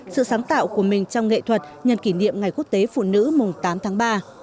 sự sáng tạo của mình trong nghệ thuật nhân kỷ niệm ngày quốc tế phụ nữ mùng tám tháng ba